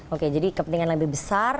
oke jadi kepentingan lebih besar